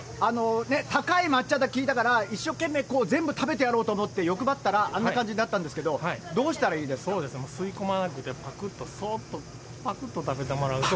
高い抹茶って聞いたから、一生懸命こう、全部食べてやろうと思って欲張ったら、あんな感じになったんですそうですね、吸い込まなくて、ぱくっと、そーっと、ぱくっと食べてもらうと。